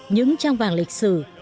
những trang vàng lịch sử